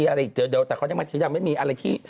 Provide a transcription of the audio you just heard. อะไรเจอเดียวแต่ก่อนนี้มันอยู่ยังไม่มีอะไรที่